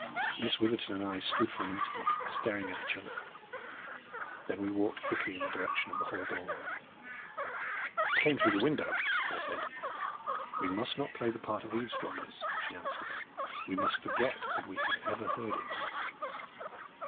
Miss Witherton and I stood for an instant staring at each other. Then we walked quickly in the direction of the hall door. "It came through the window," I said. "We must not play the part of eavesdroppers," she answered. "We must forget that we have ever heard it."